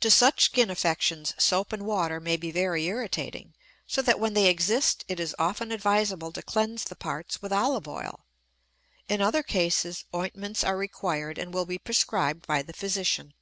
To such skin affections soap and water may be very irritating; so that when they exist it is often advisable to cleanse the parts with olive oil. In other cases, ointments are required and will be prescribed by the physician.